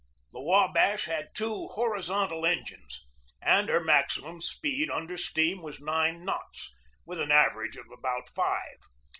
The W abash had two horizontal engines, and her maximum speed under steam was nine knots, with an average of about five.